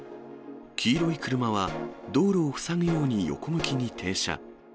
黄色い車は、道路を塞ぐように横向きに停車。